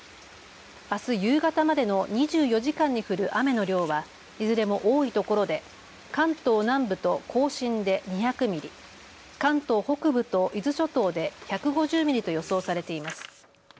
あす夕方までの２４時間に降る雨の量はいずれも多いところで関東南部と甲信で２００ミリ、関東北部と伊豆諸島で１５０ミリと予想されています。